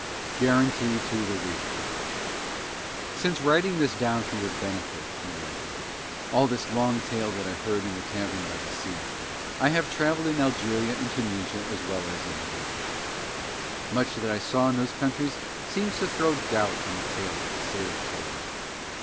Guarantee To The Reader Since writing down for your benefit, O my reader, all this long tale that I heard in the tavern by the sea I have travelled in Algeria and Tunisia as well as in the Desert. Much that I saw in those countries seems to throw doubt on the tale that the sailor told me.